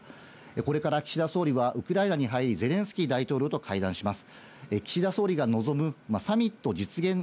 これから岸田総理はウクライナに入り、ゼレンスキー大統領と会談します。